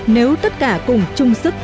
nếu tất cả cùng chung sức